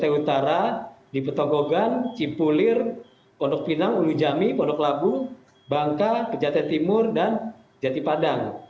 pantai utara di petogogan cipulir pondok pinang ulu jami pondok labu bangka pejaten timur dan jati padang